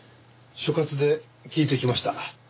所轄で聞いてきました。